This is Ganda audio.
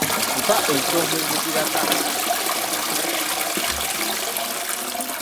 Mpa ensonga eziviirako abaana okwediima mu masomero ensangi zino.